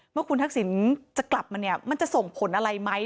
เมื่อคุณทักษิณจะกลับมาเนี่ยมันจะส่งผลอะไรไหม